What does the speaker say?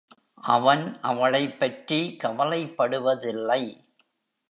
அவன் அவளைப் பற்றி கவலைப்படுவதில்லை.